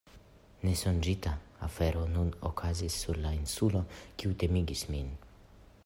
Nesonĝita afero nun okazis sur la insulo kiu timegis min.